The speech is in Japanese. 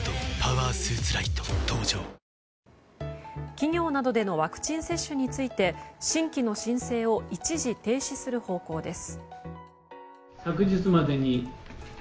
企業などでのワクチン接種について新規の申請を一時停止する方向です。